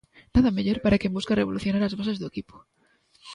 Nada mellor para quen busca revolucionar as bases do equipo.